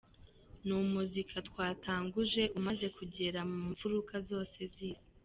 "Ni umuzika twatanguje, umaze kugera mu mfuruka zose z'isi.